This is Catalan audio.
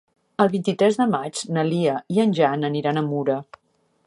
El vint-i-tres de maig na Lia i en Jan aniran a Mura.